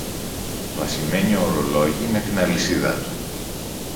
το ασημένιο ωρολόγι με την αλυσίδα του